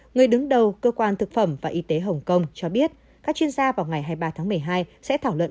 người đứng đầu cơ quan thực phẩm và y tế hồng kông cho biết các chuyên gia vào ngày hai mươi ba tháng một mươi hai sẽ thảo luận